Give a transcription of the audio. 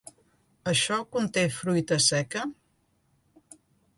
Això conté fruita seca?